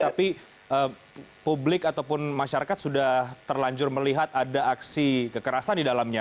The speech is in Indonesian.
tapi publik ataupun masyarakat sudah terlanjur melihat ada aksi kekerasan di dalamnya